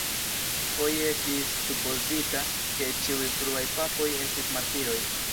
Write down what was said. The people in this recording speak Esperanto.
Foje estis supozita ke ĉiuj fruaj papoj estis martiroj.